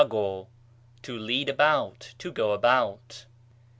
περιάγω, to lead about, to go about.